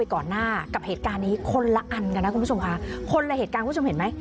ก่อนหน้ากับเหตุการณ์นี้คนละอันกันนะคุณผู้ชมค่ะคนละเหตุการณ์คุณผู้ชมเห็นไหม